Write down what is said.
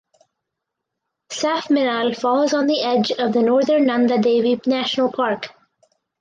Saf Minal falls on the edge of the Northern Nanda Devi National Park.